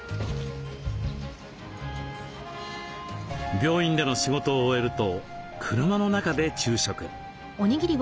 病院での仕事を終えると車の中で昼食。